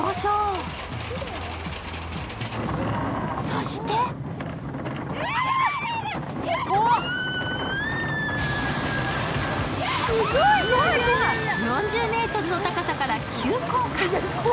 そして４０ｍの高さから急降下。